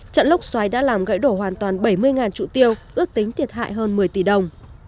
trận lốc xoáy đã làm gãy đổ hoàn toàn bảy mươi trụ tiêu ước tính thiệt hại hơn một mươi tỷ đồng